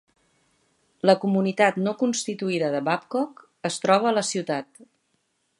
La comunitat no constituïda de Babcock es troba a la ciutat.